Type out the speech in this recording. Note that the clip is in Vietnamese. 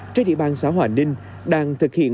trái địa bàn xã hòa ninh đang thực hiện